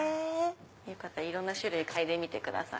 いろんな種類嗅いでみてください。